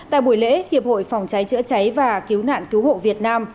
tại buổi lễ hiệp hội phòng cháy chữa cháy và cứu nạn cứu hộ việt nam